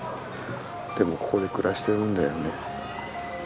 でもここで暮らしてるんだよね。